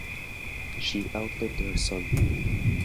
She outlived her son.